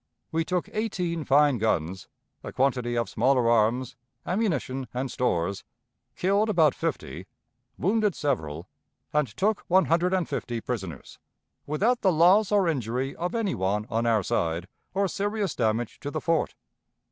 We took eighteen fine guns, a quantity of smaller arms, ammunition and stores, killed about fifty, wounded several, and took one hundred and fifty prisoners, without the loss or injury of any one on our side or serious damage to the fort.